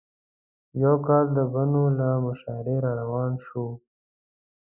یو کال د بنو له مشاعرې راروان شوو.